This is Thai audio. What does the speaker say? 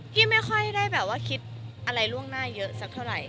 พี่ไม่ค่อยได้แบบว่าคิดอะไรล่วงหน้าเยอะสักเท่าไหร่